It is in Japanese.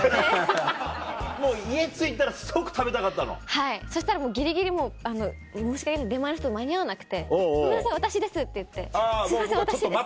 はいそしたらギリギリ申し訳ないけど出前の人間に合わなくて「ごめんなさい私です」って言って「すいません私です」。